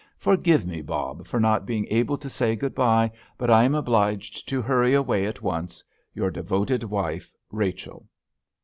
Forgive me, Bob, for not being able to say good bye, but I am obliged to hurry away at once_. Your devoted wife, RACHEL.